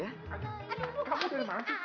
aduh kamu dari mana sih pak